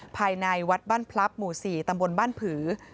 ภายในวัดบ้านพลับหมู่๔ตำบลบ้านผือ